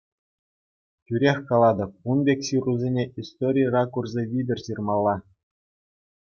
Тӳрех калатӑп, ун пек ҫырусене истори ракурсӗ витӗр ҫырмалла.